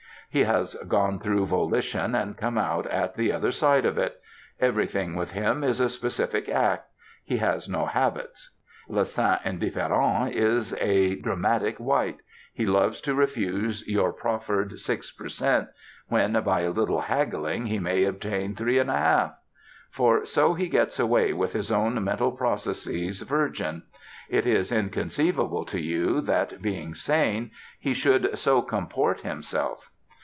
He has gone through volition, and come out at the other side of it; everything with him is a specific act: he has no habits. Le saint indifférent is a dramatic wight: he loves to refuse your proffered six per cent, when, by a little haggling, he may obtain three and a half. For so he gets away with his own mental processes virgin: it is inconceivable to you that, being sane, he should so comport himself.